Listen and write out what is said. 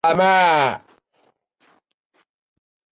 弗拉索夫曾参与一届奥运会的射击比赛。